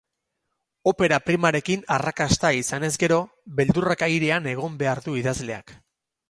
Opera primarekin arrakasta izanez gero, beldurrak airean egon behar du idazleak.